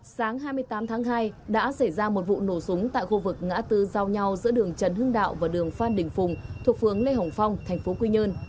sáng hai mươi tám tháng hai đã xảy ra một vụ nổ súng tại khu vực ngã tư giao nhau giữa đường trần hưng đạo và đường phan đình phùng thuộc phường lê hồng phong thành phố quy nhơn